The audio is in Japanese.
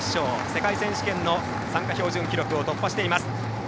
世界選手権の参加標準記録を突破しています。